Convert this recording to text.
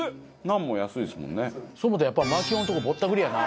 そう思うとやっぱ槙尾のとこぼったくりやな。